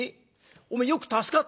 おめえよく助かったな」。